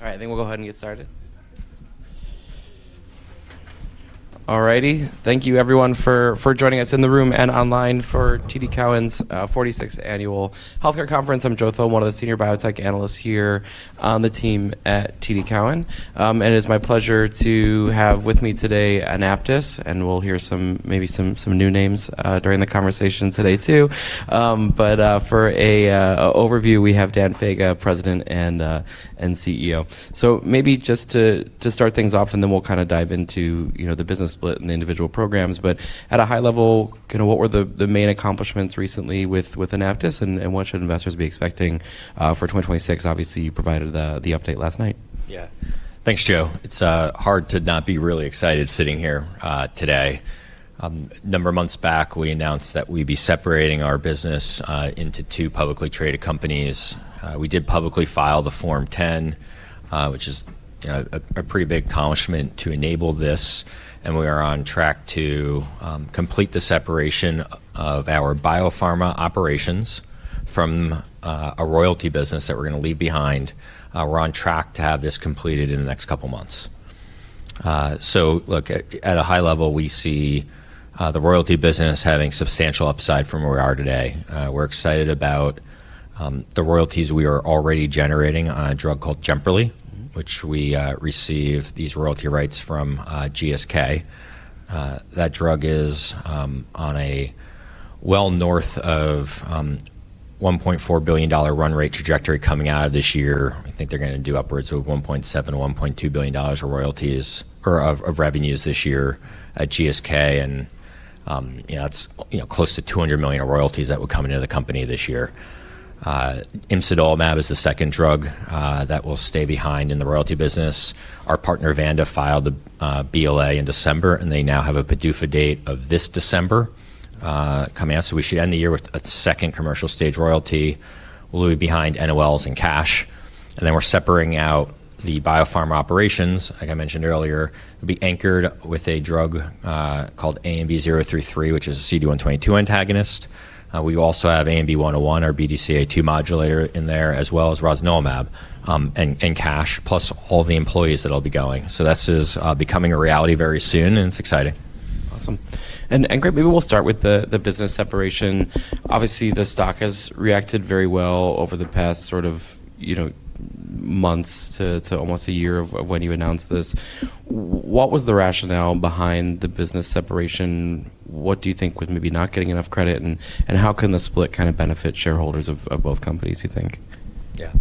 All right. I think we'll go ahead and get started. All righty. Thank you everyone for joining us in the room and online for TD Cowen's 46th Annual Healthcare Conference. I'm Joseph Thome, one of the senior biotech analysts here on the team at TD Cowen. and it's my pleasure to have with me today AnaptysBio, and we'll hear maybe some new names during the conversation today too. but for a overview, we have Daniel Faga, President and CEO. maybe just to start things off, and then we'll kinda dive into, you know, the business split and the individual programs. at a high level, kinda what were the main accomplishments recently with AnaptysBio, and what should investors be expecting for 2026? Obviously, you provided the update last night. Yeah. Thanks, Joe. It's hard to not be really excited sitting here today. A number of months back, we announced that we'd be separating our business into two publicly traded companies. We did publicly file the Form 10, which is, you know, a pretty big accomplishment to enable this, we are on track to complete the separation of our biopharma operations from a royalty business that we're gonna leave behind. We're on track to have this completed in the next couple months. Look, at a high level, we see the royalty business having substantial upside from where we are today. We're excited about the royalties we are already generating on a drug called JEMPERLI Mm-hmm. We receive these royalty rights from GSK. That drug is on a well north of $1.4 billion run rate trajectory coming out of this year. I think they're gonna do upwards of $1.7 billion, $1.2 billion of royalties or of revenues this year at GSK, you know, that's, you know, close to $200 million of royalties that will come into the company this year. IMSIDOLIMAB is the second drug that will stay behind in the royalty business. Our partner, Vanda, filed the BLA in December. They now have a PDUFA date of this December coming out. We should end the year with a second commercial stage royalty. We'll be behind NOLs and cash. Then we're separating out the biopharma operations, like I mentioned earlier. We'll be anchored with a drug called ANB033, which is a CD122 antagonist. We also have ANB101, our BDCA-2 modulator in there, as well asROSNILIMAB and cash, plus all the employees that'll be going. This is becoming a reality very soon, and it's exciting. Awesome. Great. Maybe we'll start with the business separation. Obviously, the stock has reacted very well over the past sort of, you know, months to almost a year of when you announced this. What was the rationale behind the business separation? What do you think was maybe not getting enough credit, and how can the split kind of benefit shareholders of both companies, you think? Yeah.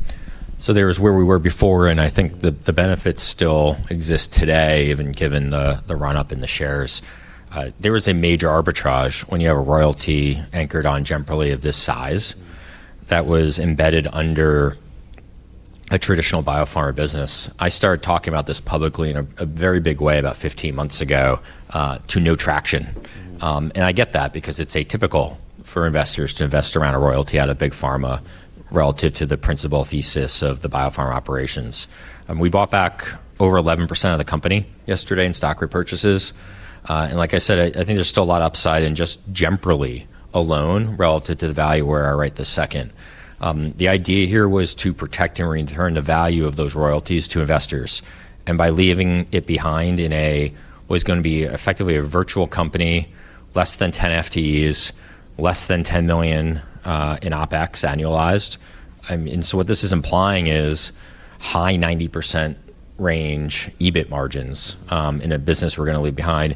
There is where we were before, and I think the benefits still exist today, even given the run-up in the shares. There was a major arbitrage when you have a royalty anchored on JEMPERLI of this size. Mm-hmm. that was embedded under a traditional biopharma business. I started talking about this publicly in a very big way about 15 months ago, to no traction. Mm-hmm. I get that because it's atypical for investors to invest around a royalty out of big pharma relative to the principal thesis of the biopharma operations. We bought back over 11% of the company yesterday in stock repurchases. Like I said, I think there's still a lot of upside in just JEMPERLI alone relative to the value where I write this second. The idea here was to protect and return the value of those royalties to investors, and by leaving it behind in a, what is gonna be effectively a virtual company, less than 10 FTEs, less than $10 million in OpEx annualized. I mean, what this is implying is high 90% range EBIT margins in a business we're gonna leave behind.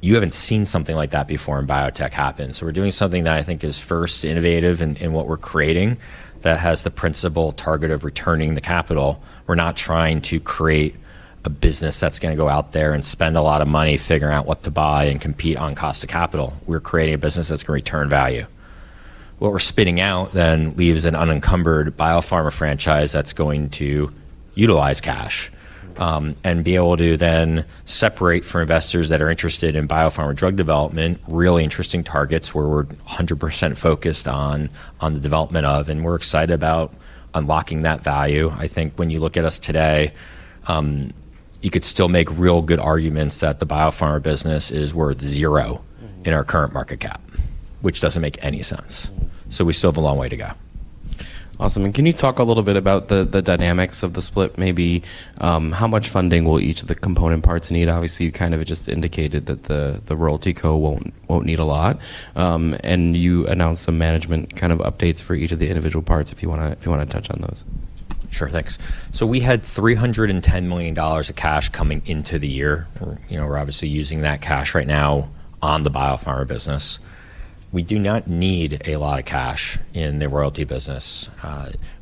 You haven't seen something like that before in biotech happen. We're doing something that I think is first innovative in what we're creating that has the principal target of returning the capital. We're not trying to create a business that's gonna go out there and spend a lot of money figuring out what to buy and compete on cost of capital. We're creating a business that's gonna return value. What we're spinning out then leaves an unencumbered biopharma franchise that's going to utilize cash- Mm-hmm. Be able to then separate for investors that are interested in biopharma drug development, really interesting targets where we're 100% focused on the development of, and we're excited about unlocking that value. I think when you look at us today, you could still make real good arguments that the biopharma business is worth 0. Mm-hmm. in our current market cap, which doesn't make any sense. Mm-hmm. We still have a long way to go. Awesome. Can you talk a little bit about the dynamics of the split? Maybe, how much funding will each of the component parts need? Obviously, you kind of just indicated that the royalty co. won't need a lot. You announced some management kind of updates for each of the individual parts, if you wanna touch on those. Sure. Thanks. We had $310 million of cash coming into the year. You know, we're obviously using that cash right now on the biopharma business. We do not need a lot of cash in the royalty business.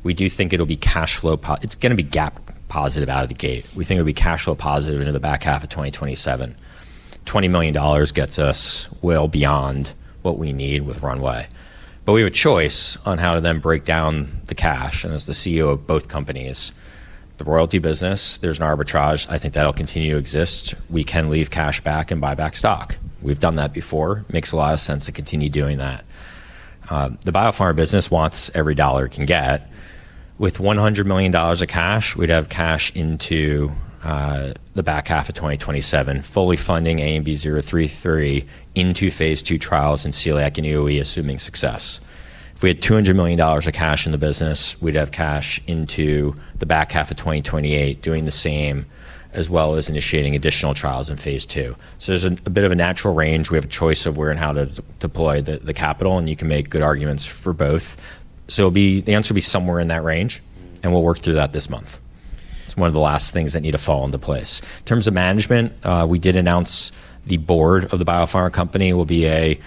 We do think it'll be cash flow It's gonna be GAAP positive out of the gate. We think it'll be cash flow positive into the back half of 2027. $20 million gets us well beyond what we need with runway. We have a choice on how to then break down the cash, and as the CEO of both companies, the royalty business, there's an arbitrage. I think that'll continue to exist. We can leave cash back and buy back stock. We've done that before. Makes a lot of sense to continue doing that. The biopharma business wants every dollar it can get. With $100 million of cash, we'd have cash into the back half of 2027, fully funding ANB033 into phase II trials in celiac and EoE, assuming success. If we had $200 million of cash in the business, we'd have cash into the back half of 2028 doing the same as well as initiating additional trials in phase II. There's a bit of a natural range. We have a choice of where and how to deploy the capital, and you can make good arguments for both. The answer will be somewhere in that range, and we'll work through that this month. It's one of the last things that need to fall into place. In terms of management, we did announce the board of the biopharma company will be a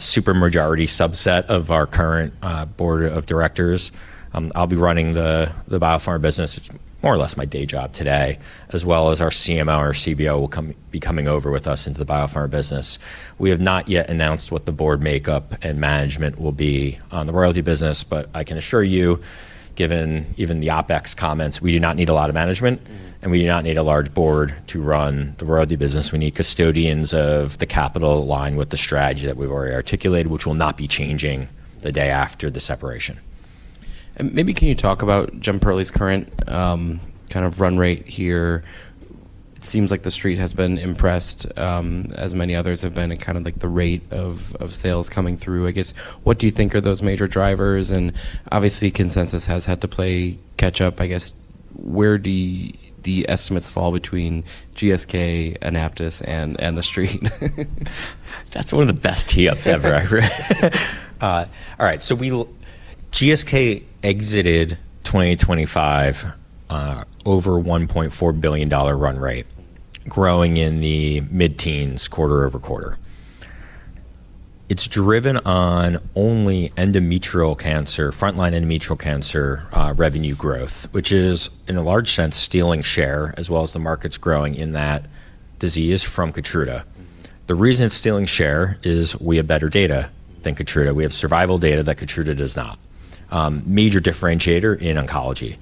super majority subset of our current board of directors. I'll be running the biopharma business. It's more or less my day job today, as well as our CMO or our CBO will be coming over with us into the biopharma business. We have not yet announced what the board makeup and management will be on the royalty business, but I can assure you, given even the OpEx comments, we do not need a lot of management, and we do not need a large board to run the royalty business. We need custodians of the capital aligned with the strategy that we've already articulated, which will not be changing the day after the separation. Maybe can you talk about JEMPERLI's current kind of run rate here. It seems like the street has been impressed as many others have been in kind of like the rate of sales coming through. I guess, what do you think are those major drivers? Obviously consensus has had to play catch up. I guess, where do the estimates fall between GSK, AnaptysBio, and the street? That's one of the best tee ups ever. All right, GSK exited 2025, over $1.4 billion run rate growing in the mid-teens quarter-over-quarter. It's driven on only endometrial cancer, frontline endometrial cancer, revenue growth, which is, in a large sense, stealing share as well as the markets growing in that disease from KEYTRUDA. The reason it's stealing share is we have better data than K. We have survival data that KEYTRUDA does not. Major differentiator in oncology.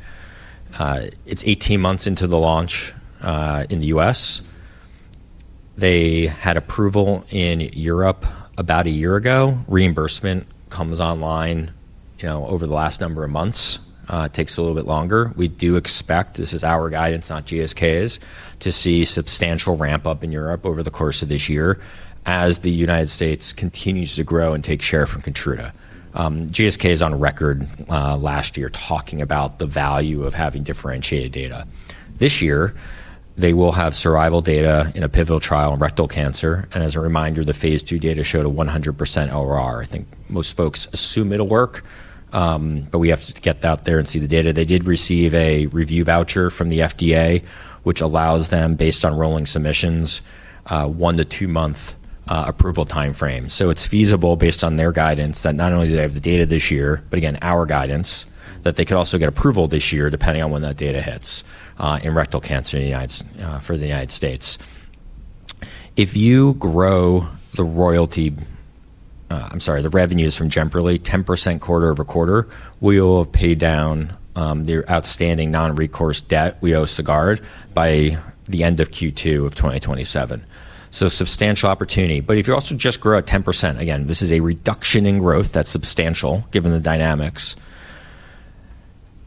It's 18 months into the launch, in the U.S. They had approval in Europe about a year ago. Reimbursement comes online, you know, over the last number of months. It takes a little bit longer. We do expect, this is our guidance, not GSK's, to see substantial ramp-up in Europe over the course of this year as the United States continues to grow and take share from KEYTRUDA GSK is on record last year talking about the value of having differentiated data. This year, they will have survival data in a pivotal trial in rectal cancer. As a reminder, the phase II data showed a 100% ORR. I think most folks assume it'll work, but we have to get that there and see the data. They did receive a review voucher from the FDA, which allows them, based on rolling submissions, a one-two month approval timeframe. It's feasible based on their guidance that not only do they have the data this year, but again, our guidance, that they could also get approval this year depending on when that data hits, in rectal cancer in the United States. If you grow the revenues from JEMPERLI 10% quarter-over-quarter, we will have paid down their outstanding non-recourse debt we owe Sagard by the end of Q2 of 2027. Substantial opportunity. If you also just grow at 10%, again, this is a reduction in growth that's substantial given the dynamics,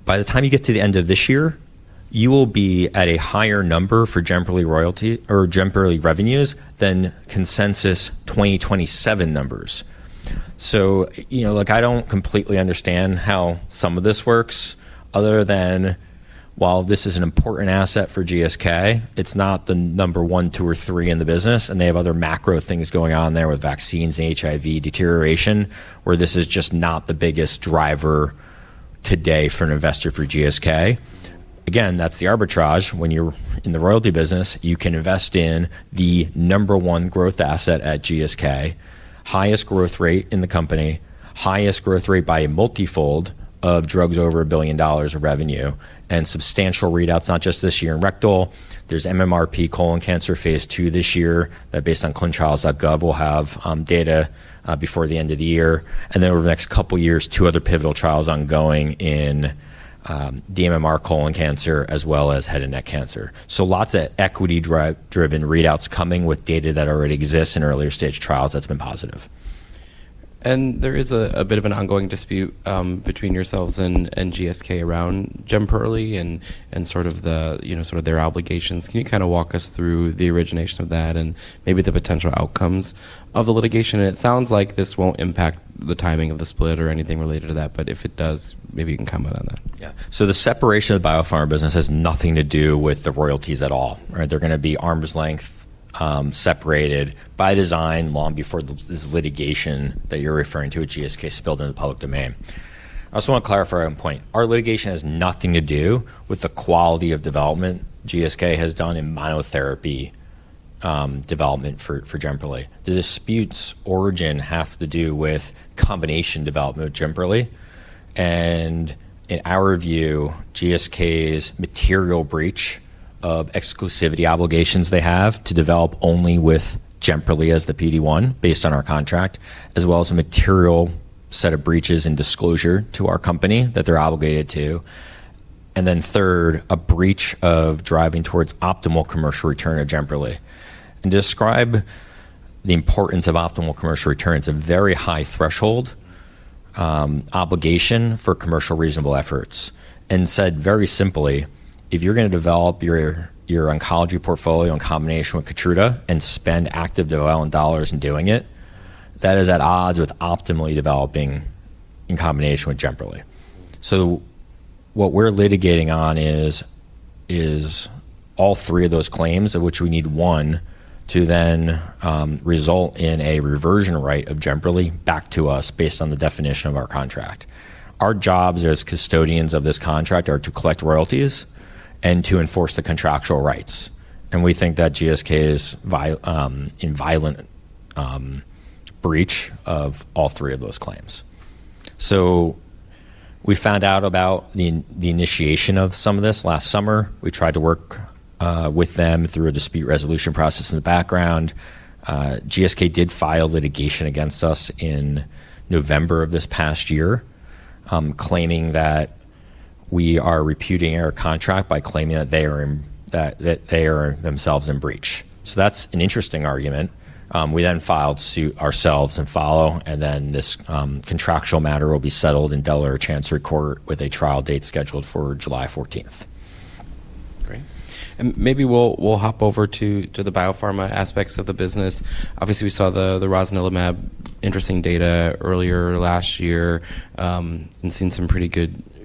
by the time you get to the end of this year, you will be at a higher number for JEMPERLI royalty or JEMPERLI revenues than consensus 2027 numbers. You know, look, I don't completely understand how some of this works other than while this is an important asset for GSK, it's not the number one ,two, or three in the business, and they have other macro things going on there with vaccines and HIV deterioration where this is just not the biggest driver today for an investor for GSK. Again, that's the arbitrage. When you're in the royalty business, you can invest in the number one growth asset at GSK, highest growth rate in the company, highest growth rate by a multi-fold of drugs over $1 billion of revenue and substantial readouts, not just this year in rectal. There's MMRP colon cancer phase II this year that based on ClinicalTrials.gov will have data before the end of the year. Over the next couple years, two other pivotal trials ongoing in dMMR colon cancer as well as head and neck cancer. Lots of equity driven readouts coming with data that already exists in earlier stage trials that's been positive. There is a bit of an ongoing dispute between yourselves and GSK around JEMPERLI and sort of the, you know, sort of their obligations. Can you kind of walk us through the origination of that and maybe the potential outcomes of the litigation? It sounds like this won't impact the timing of the split or anything related to that, but if it does, maybe you can comment on that. Yeah. The separation of the biopharma business has nothing to do with the royalties at all. Right? They're gonna be arm's length, separated by design long before this litigation that you're referring to at GSK spilled into the public domain. I also want to clarify one point. Our litigation has nothing to do with the quality of development GSK has done in monotherapy, development for JEMPERLI. The dispute's origin have to do with combination development of JEMPERLI and in our view, GSK's material breach of exclusivity obligations they have to develop only with JEMPERLI as the PD-1 based on our contract, as well as a material set of breaches in disclosure to our company that they're obligated to. Third, a breach of driving towards optimal commercial return of JEMPERLI. Describe the importance of optimal commercial return. It's a very high threshold, obligation for commercial reasonable efforts and said very simply, if you're gonna develop your oncology portfolio in combination with KEYTRUDA and spend active development dollars in doing it, that is at odds with optimally developing in combination with JEMPERLI. What we're litigating on is all three of those claims of which we need one to then, result in a reversion right of JEMPERLI back to us based on the definition of our contract. Our jobs as custodians of this contract are to collect royalties and to enforce the contractual rights, and we think that GSK is in violent breach of all three of those claims. We found out about the initiation of some of this last summer. We tried to work with them through a dispute resolution process in the background. GSK did file litigation against us in November of this past year, claiming that we are reputing our contract by claiming that they are in, that they are themselves in breach. That's an interesting argument. We then filed suit ourselves in follow, this contractual matter will be settled in Delaware Chancery Court with a trial date scheduled for July 14th. Great. Maybe we'll hop over to the biopharma aspects of the business. Obviously, we saw the ROSNILIMAB interesting data earlier last year, and seen some pretty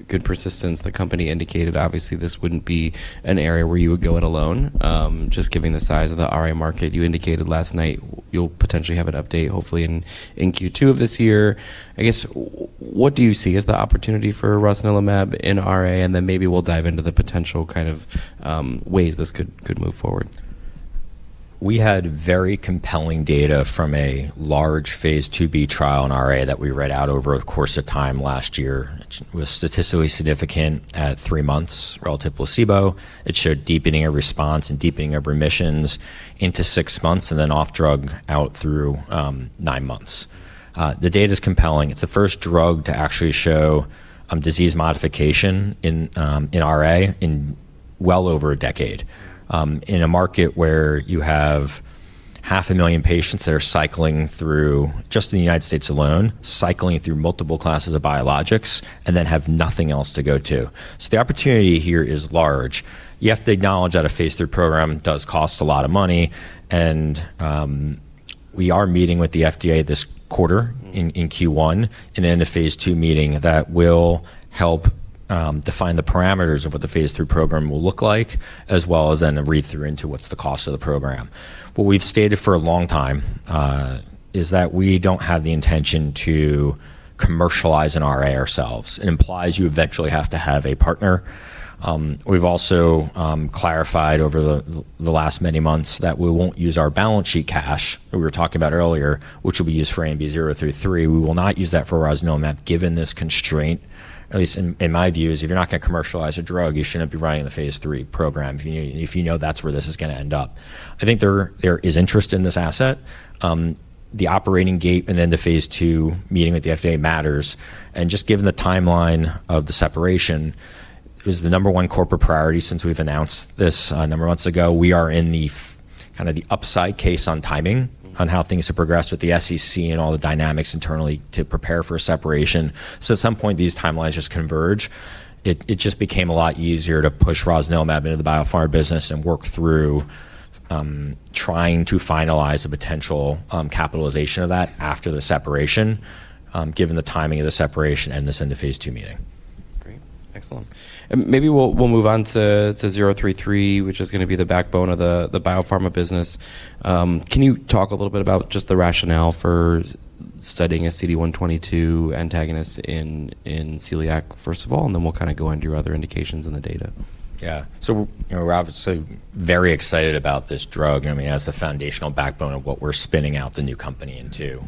good persistence. The company indicated, obviously, this wouldn't be an area where you would go it alone, just given the size of the RA market. You indicated last night you'll potentially have an update, hopefully in Q2 of this year. I guess what do you see as the opportunity for ROSNILIMAB in RA? Then maybe we'll dive into the potential kind of ways this could move forward. We had very compelling data from a large phase IIb trial in RA that we read out over a course of time last year. It was statistically significant at three months relative placebo. It showed deepening of response and deepening of remissions into six months and then off drug out through nine months. The data's compelling. It's the first drug to actually show disease modification in RA in well over a decade in a market where you have half a million patients that are cycling through, just in the United States alone, cycling through multiple classes of biologics and then have nothing else to go to. The opportunity here is large. You have to acknowledge that a phase III program does cost a lot of money, we are meeting with the FDA this quarter in Q1 in a phase II meeting that will help define the parameters of what the phase III program will look like, as well as then a read through into what's the cost of the program. What we've stated for a long time is that we don't have the intention to commercialize an RA ourselves. It implies you eventually have to have a partner. We've also clarified over the last many months that we won't use our balance sheet cash that we were talking about earlier, which will be used for ANB033. We will not use that for ROSNILIMAB given this constraint. At least in my view, is if you're not gonna commercialize a drug, you shouldn't be running the phase III program if you know that's where this is gonna end up. I think there is interest in this asset. The operating gate and then the phase II meeting with the FDA matters, and just given the timeline of the separation is the number one corporate priority since we've announced this a number of months ago. We are in the kind of the upside case on timing- Mm-hmm... on how things have progressed with the SEC and all the dynamics internally to prepare for a separation. At some point, these timelines just converge. It just became a lot easier to push ROSNILIMAB into the biopharma business and work through trying to finalize the potential capitalization of that after the separation, given the timing of the separation and this end of phase II meeting. Great. Excellent. Maybe we'll move on to 033, which is gonna be the backbone of the biopharma business. Can you talk a little bit about just the rationale for studying a CD122 antagonist in celiac, first of all, and then we'll kind of go into your other indications in the data? You know, we're obviously very excited about this drug, and I mean, as the foundational backbone of what we're spinning out the new company into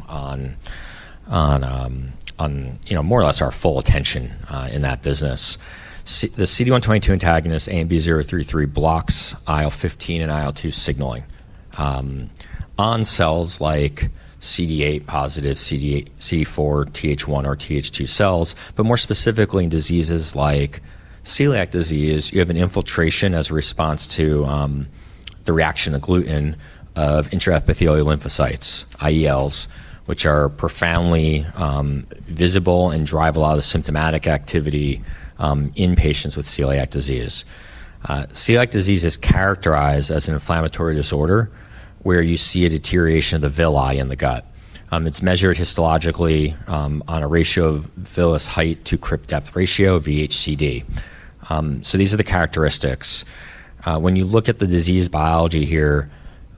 more or less our full attention in that business. The CD122 antagonist, ANB033, blocks IL-15 and IL-2 signaling on cells like CD8 positive, CD8, CD4, TH1, or TH2 cells, but more specifically in diseases like celiac disease, you have an infiltration as a response to the reaction of gluten of intraepithelial lymphocytes, IELs, which are profoundly visible and drive a lot of the symptomatic activity in patients with celiac disease. Celiac disease is characterized as an inflammatory disorder where you see a deterioration of the villi in the gut. It's measured histologically on a ratio of villous height to crypt depth ratio, VHCD. These are the characteristics. When you look at the disease biology here,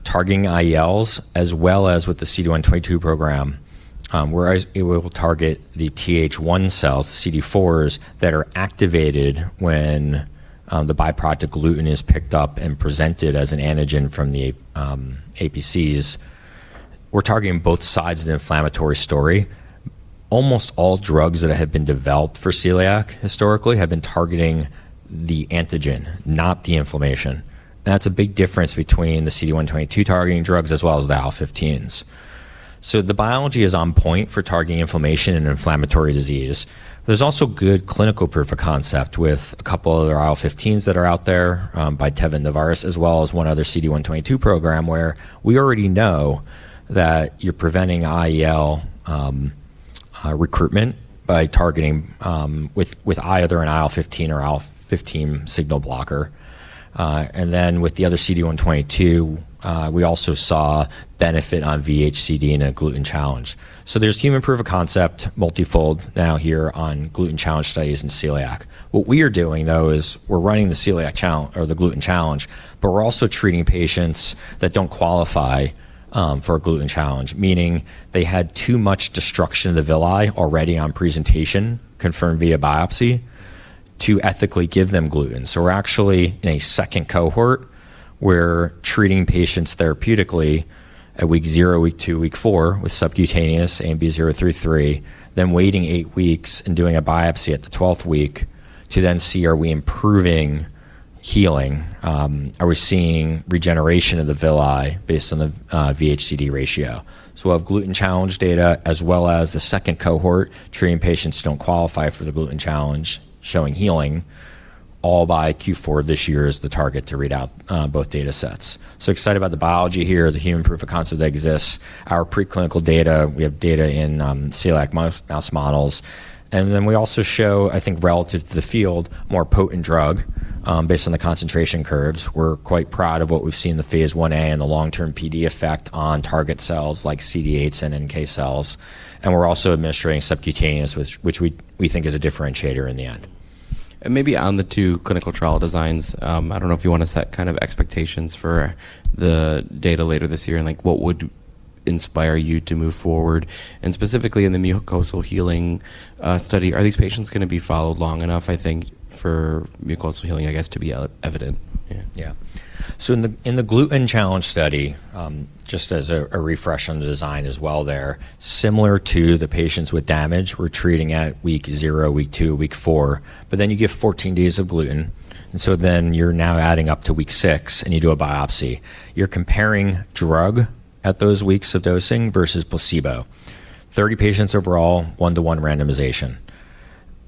targeting IELs as well as with the CD122 program, we're able to target the TH1 cells, the CD4s that are activated when the byproduct of gluten is picked up and presented as an antigen from the APCs. We're targeting both sides of the inflammatory story. Almost all drugs that have been developed for celiac historically have been targeting the antigen, not the inflammation. That's a big difference between the CD122-targeting drugs as well as the IL-15s. The biology is on point for targeting inflammation and inflammatory disease. There's also good clinical proof of concept with a couple other IL-15s that are out there by Teva and Novartis, as well as one other CD122 program where we already know that you're preventing IEL recruitment by targeting with either an IL-15 or IL-15 signal blocker. With the other CD122, we also saw benefit on VHCD in a gluten challenge. There's human proof of concept multifold now here on gluten challenge studies in celiac. What we are doing though is we're running the celiac challenge or the gluten challenge, but we're also treating patients that don't qualify for a gluten challenge, meaning they had too much destruction of the villi already on presentation, confirmed via biopsy, to ethically give them gluten. We're actually in a second cohort, we're treating patients therapeutically at week zero, week two, week four with subcutaneous ANB033, then waiting eight weeks and doing a biopsy at the 12th week to then see are we improving healing, are we seeing regeneration of the villi based on the VHCD ratio. We'll have gluten challenge data as well as the second cohort treating patients who don't qualify for the gluten challenge, showing healing, all by Q4 of this year is the target to read out, both data sets. Excited about the biology here, the human proof of concept that exists. Our preclinical data, we have data in celiac mouse models, and then we also show, I think, relative to the field, more potent drug, based on the concentration curves. We're quite proud of what we've seen in the Phase A and the long-term PD effect on target cells like CD8s and NK cells. We're also administering subcutaneous, which we think is a differentiator in the end. Maybe on the two clinical trial designs, I don't know if you wanna set kind of expectations for the data later this year, and, like, what would inspire you to move forward? Specifically in the mucosal healing, study, are these patients gonna be followed long enough, I think, for mucosal healing, I guess, to be evident? Yeah. In the gluten challenge study, just as a refresh on the design as well there, similar to the patients with damage, we're treating at week zero, week two, week four. Then you give 14 days of gluten. Then you're now adding up to week six. You do a biopsy. You're comparing drug at those weeks of dosing versus placebo. 30 patients overall, 1-to-1 randomization.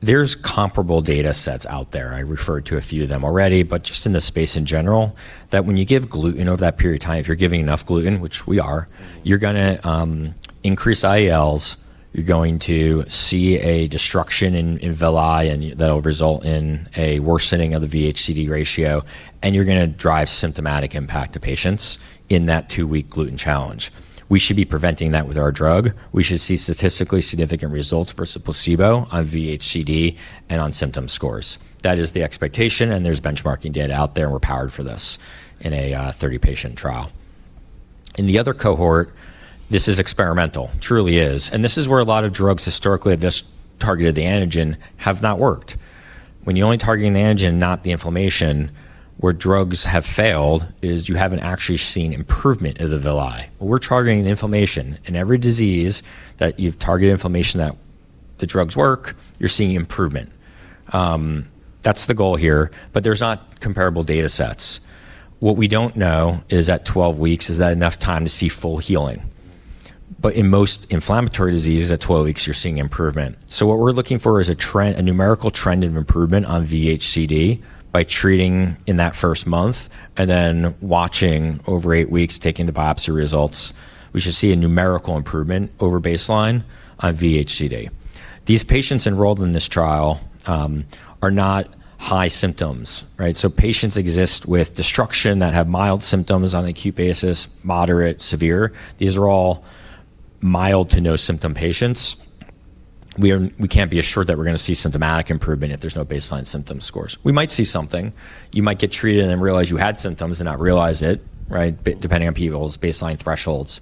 Just in the space in general, that when you give gluten over that period of time, if you're giving enough gluten, which we are, you're gonna increase IELs, you're going to see a destruction in villi. That'll result in a worsening of the VHCD ratio. You're gonna drive symptomatic impact to patients in that two-week gluten challenge. We should be preventing that with our drug. We should see statistically significant results versus placebo on VHCD and on symptom scores. That is the expectation, and there's benchmarking data out there, and we're powered for this in a 30-patient trial. In the other cohort, this is experimental, truly is. This is where a lot of drugs historically have just targeted the antigen have not worked. When you're only targeting the antigen, not the inflammation, where drugs have failed is you haven't actually seen improvement of the villi. We're targeting the inflammation. In every disease that you've targeted inflammation that the drugs work, you're seeing improvement. That's the goal here, but there's not comparable data sets. What we don't know is at 12 weeks, is that enough time to see full healing? In most inflammatory diseases, at 12 weeks, you're seeing improvement. What we're looking for is a trend, a numerical trend of improvement on VHCD by treating in that first month and then watching over eight weeks, taking the biopsy results. We should see a numerical improvement over baseline on VHCD. These patients enrolled in this trial, are not high symptoms, right? Patients exist with destruction that have mild symptoms on an acute basis, moderate, severe. These are all mild to no symptom patients. We can't be assured that we're gonna see symptomatic improvement if there's no baseline symptom scores. We might see something. You might get treated and then realize you had symptoms and not realize it, right? Depending on people's baseline thresholds.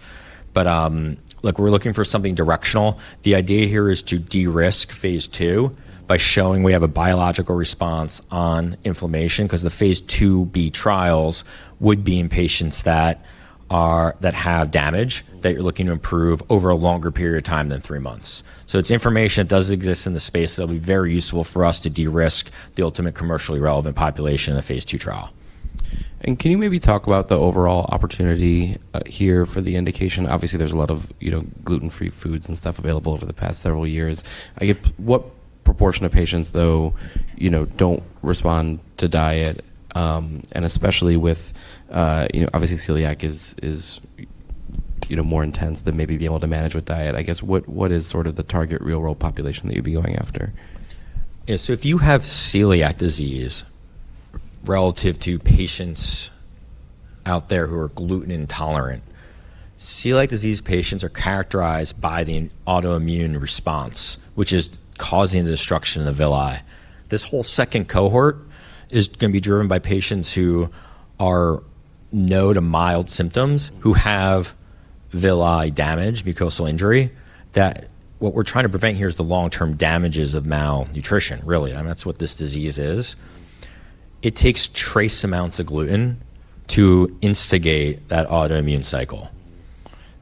Look, we're looking for something directional. The idea here is to de-risk phase II by showing we have a biological response on inflammation, 'cause the phase IIb trials would be in patients that are, that have damage, that you're looking to improve over a longer period of time than three months. It's information that does exist in the space that'll be very useful for us to de-risk the ultimate commercially relevant population in a phase II trial. Can you maybe talk about the overall opportunity here for the indication? Obviously, there's a lot of, you know, gluten-free foods and stuff available over the past several years. I guess, what proportion of patients, though, you know, don't respond to diet, and especially with, you know, obviously celiac is, you know, more intense than maybe being able to manage with diet. I guess, what is sort of the target real world population that you'd be going after? Yeah. If you have celiac disease relative to patients out there who are gluten intolerant, celiac disease patients are characterized by the autoimmune response, which is causing the destruction of the villi. This whole second cohort is gonna be driven by patients who are no to mild symptoms, who have villi damage, mucosal injury, that what we're trying to prevent here is the long-term damages of malnutrition, really. I mean, that's what this disease is. It takes trace amounts of gluten to instigate that autoimmune cycle.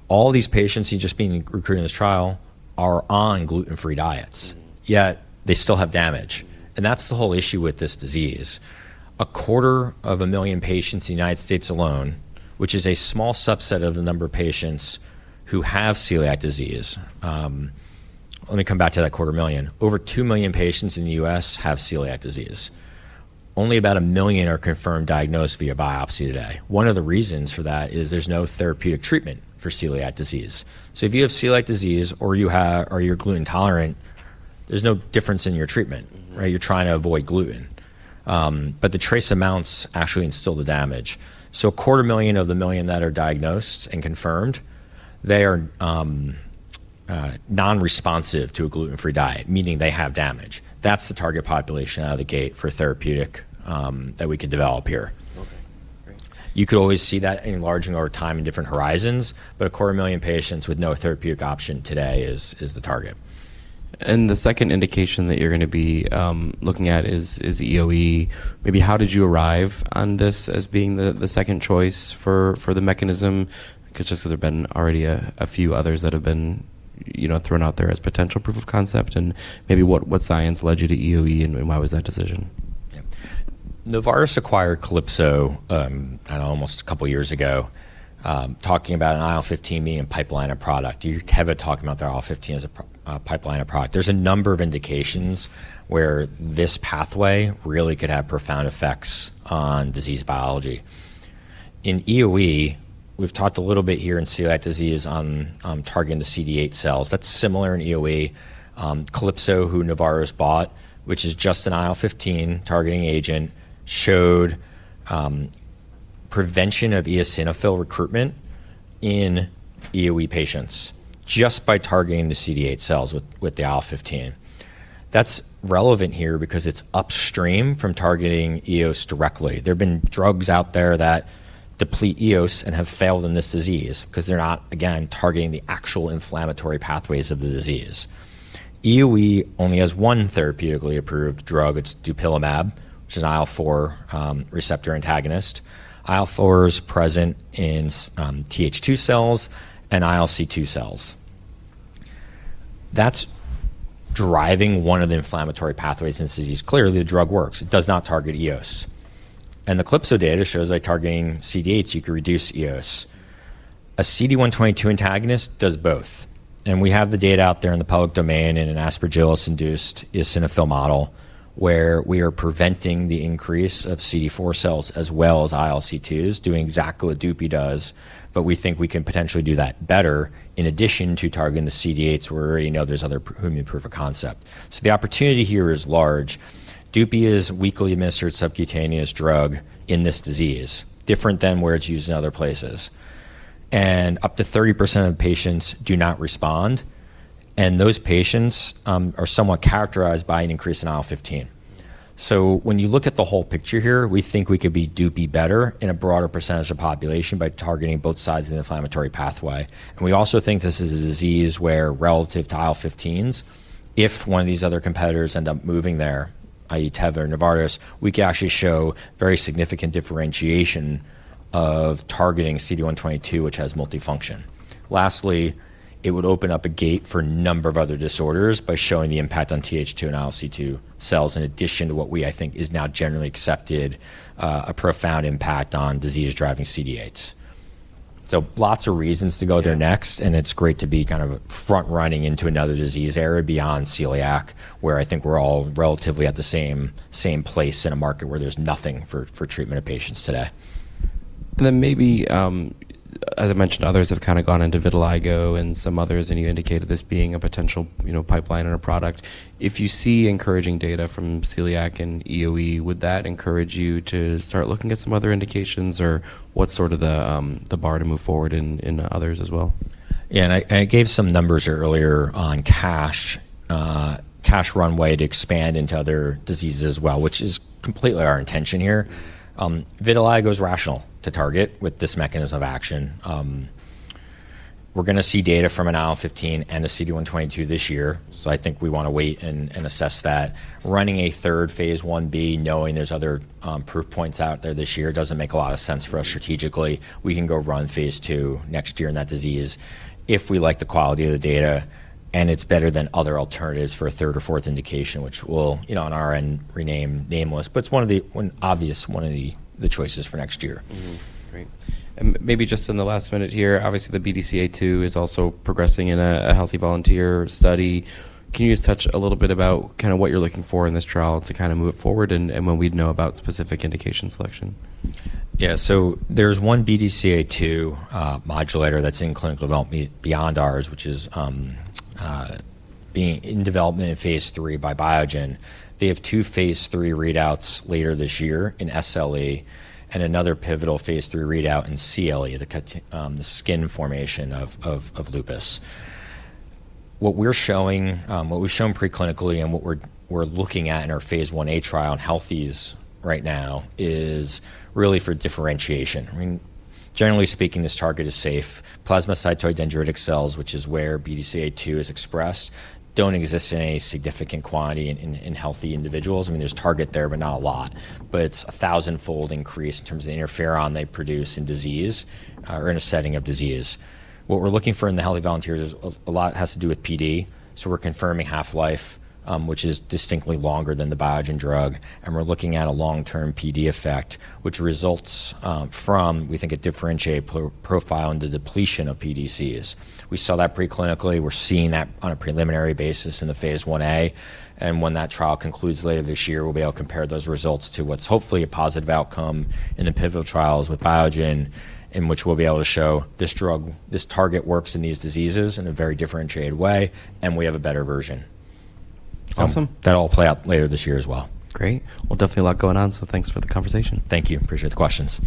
All these patients who've just been recruited in this trial are on gluten-free diets, yet they still have damage. That's the whole issue with this disease. A quarter of a million patients in the United States alone, which is a small subset of the number of patients who have celiac disease, let me come back to that quarter million. Over 2 million patients in the US have celiac disease. Only about 1 million are confirmed diagnosed via biopsy today. One of the reasons for that is there's no therapeutic treatment for celiac disease. If you have celiac disease or you're gluten intolerant, there's no difference in your treatment. Mm-hmm. Right? You're trying to avoid gluten. The trace amounts actually instill the damage. 250,000 of the 1 million that are diagnosed and confirmed, they are non-responsive to a gluten-free diet, meaning they have damage. That's the target population out of the gate for therapeutic that we could develop here. Okay. Great. You could always see that enlarging over time in different horizons, but a quarter million patients with no therapeutic option today is the target. The second indication that you're gonna be looking at is EoE. Maybe how did you arrive on this as being the second choice for the mechanism? Because just 'cause there have been already a few others that have been, you know, thrown out there as potential proof of concept, and maybe what science led you to EoE and why was that decision? Novartis acquired Calypso, I don't know, almost a couple years ago, talking about an IL-15 being a pipeline of product. You have it talking about their IL-15 as a pipeline of product. There's a number of indications where this pathway really could have profound effects on disease biology. In EoE, we've talked a little bit here in celiac disease on targeting the CD8 cells. That's similar in EoE. Calypso, who Novartis bought, which is just an IL-15 targeting agent, showed prevention of eosinophil recruitment in EoE patients just by targeting the CD8 cells with the IL-15. That's relevant here because it's upstream from targeting eos directly. There have been drugs out there that deplete eos and have failed in this disease 'cause they're not, again, targeting the actual inflammatory pathways of the disease. EoE only has one therapeutically approved drug, it's DUPILUMAB, which is an IL-4 receptor antagonist. IL-4 is present in TH2 cells and ILC2 cells. That's driving one of the inflammatory pathways in this disease. Clearly, the drug works. It does not target eos. The Calypso data shows by targeting CD8 you can reduce eos. A CD122 antagonist does both, and we have the data out there in the public domain in an Aspergillus-induced eosinophil model where we are preventing the increase of CD4 cells as well as ILC2s, doing exactly what Dupi does, but we think we can potentially do that better in addition to targeting the CD8s where we already know there's other human proof of concept. The opportunity here is large. Dupi is a weekly administered subcutaneous drug in this disease, different than where it's used in other places. Up to 30% of patients do not respond, and those patients are somewhat characterized by an increase in IL-15. When you look at the whole picture here, we think we could be Dupi better in a broader percentage of population by targeting both sides of the inflammatory pathway. We also think this is a disease where relative to IL-15s, if one of these other competitors end up moving there, i.e., Tether, Novartis, we could actually show very significant differentiation of targeting CD122, which has multifunction. Lastly, it would open up a gate for a number of other disorders by showing the impact on TH2 and ILC2 cells in addition to what I think is now generally accepted, a profound impact on disease-driving CD8s. Lots of reasons to go there next, and it's great to be kind of front-running into another disease area beyond celiac, where I think we're all relatively at the same place in a market where there's nothing for treatment of patients today. Then maybe, as I mentioned, others have kinda gone into vitiligo and some others, and you indicated this being a potential, you know, pipeline or a product. If you see encouraging data from celiac and EoE, would that encourage you to start looking at some other indications, or what's sort of the bar to move forward in others as well? Yeah. I gave some numbers earlier on cash runway to expand into other diseases as well, which is completely our intention here. Vitiligo is rational to target with this mechanism of action. We're gonna see data from an IL-15 and a CD122 this year, I think we wanna wait and assess that. Running a 3rd phase Ib knowing there's other proof points out there this year doesn't make a lot of sense for us strategically. We can go run phase II next year in that disease if we like the quality of the data, and it's better than other alternatives for a 3rd or 4th indication, which we'll, you know, on our end rename nameless, but it's an obvious one of the choices for next year. Mm-hmm. Great. Maybe just in the last minute here, obviously, the BDCA2 is also progressing in a healthy volunteer study. Can you just touch a little bit about kinda what you're looking for in this trial to kinda move it forward and when we'd know about specific indication selection? There's one BDCA2 modulator that's in clinical development beyond ours, which is being in development in phase III by Biogen. They have two phase III readouts later this year in SLE and another pivotal phase III readout in CLE, the skin formation of lupus. What we're showing, what we've shown pre-clinically and what we're looking at in our phase Ia trial in healthies right now is really for differentiation. I mean, generally speaking, this target is safe. Plasmacytoid dendritic cells, which is where BDCA2 is expressed, don't exist in a significant quantity in healthy individuals. I mean, there's target there, but not a lot. It's a 1,000-fold increase in terms of the interferon they produce in disease or in a setting of disease. What we're looking for in the healthy volunteers is a lot has to do with PD, so we're confirming half-life, which is distinctly longer than the Biogen drug, and we're looking at a long-term PD effect, which results, from, we think, a differentiated pro-profile in the depletion of pDCs. We saw that pre-clinically. We're seeing that on a preliminary basis in the phase Ia, when that trial concludes later this year, we'll be able to compare those results to what's hopefully a positive outcome in the pivotal trials with Biogen in which we'll be able to show this drug, this target works in these diseases in a very differentiated way, and we have a better version. Awesome. That'll play out later this year as well. Great. Well, definitely a lot going on, so thanks for the conversation. Thank you. Appreciate the questions.